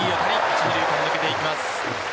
一・二塁間抜けていきます。